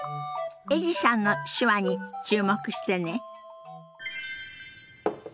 エリさんの手話に注目してね。